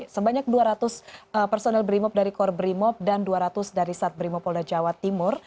sebanyak dua ratus personel brimop dari kor brimop dan dua ratus dari sat brimop polda jawa timur